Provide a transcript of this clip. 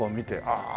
ああ！